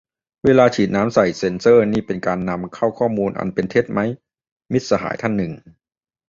เวลาฉีดน้ำใส่เซนเซอร์นี่เป็นการนำเข้าข้อมูลอันเป็นเท็จไหม มิตรสหายท่านหนึ่ง